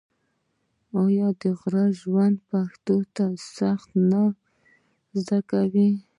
آیا د غره ژوند پښتون ته سختي نه ور زده کوي؟